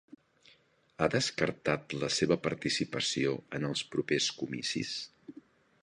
Ha descartat la seva participació en els propers comicis?